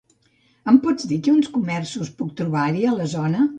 Em pots dir quins comerços puc trobar-hi a la zona?